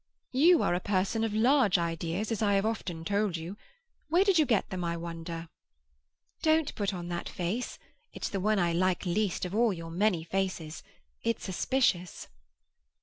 "You are a person of large ideas, as I have often told you. Where did you get them, I wonder?" "Don't put on that face! It's the one I like least of all your many faces. It's suspicious."